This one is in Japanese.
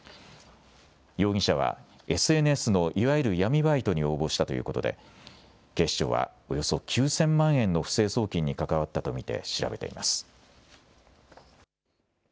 容疑者はＳＮＳのいわゆる闇バイトに応募したということで警視庁はおよそ９０００万円の不正送金に関わったと見て調べています。